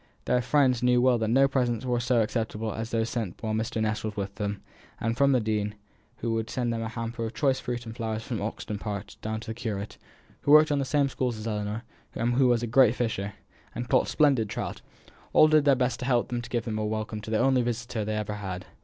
Their friends knew well that no presents were so acceptable as those sent while Mr. Ness was with them; and from the dean, who would send them a hamper of choice fruit and flowers from Oxton Park, down to the curate, who worked in the same schools as Ellinor, and who was a great fisher, and caught splendid trout all did their best to help them to give a welcome to the only visitor they ever had.